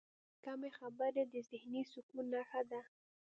کمې خبرې، د ذهني سکون نښه ده.